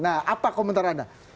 nah apa komentar anda